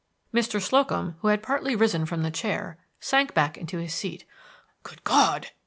XIX Mr. Slocum, who had partly risen from the chair, sank back into his seat. "Good God!"